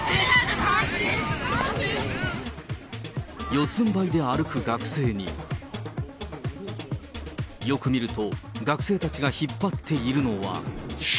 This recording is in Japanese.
四つんばいで歩く学生に、よく見ると、学生たちが引っ張っているのは。